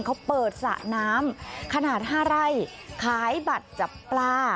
เขาเปิดสระน้ำขนาด๕ไร่ขายบัตรจับปลา